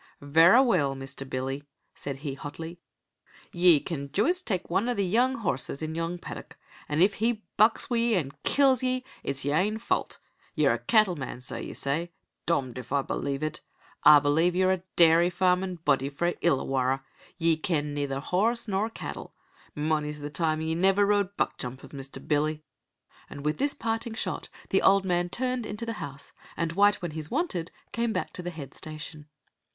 "Verra weel, Mr. Billy," said he, hotly, "ye can juist tak' ane of the young horrses in yon paddock, an' if he bucks wi' ye an' kills ye, it's yer ain fault. Ye're a cattleman so ye say dommed if ah believe it. Ah believe ye're a dairy farmin' body frae Illawarra. Ye ken neither horrse nor cattle. Mony's the time ye never rode buckjumpers, Mr. Billy" and with this parting shot the old man turned into the house, and White when he's wanted came back to the head station.